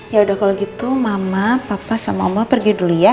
yaudah kalau gitu mama papa sama oma pergi dulu ya